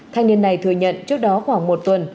thanh niên này thừa nhận trước đó khoảng một tuần